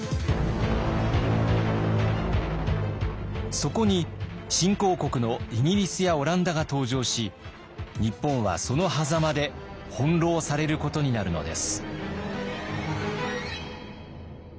そこに新興国のイギリスやオランダが登場し日本はそのはざまで翻弄されることになるのです。